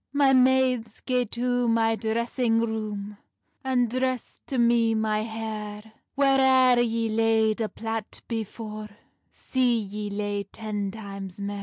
"My maides, gae to my dressing roome, And dress to me my hair; Whaireir yee laid a plait before, See yee lay ten times mair.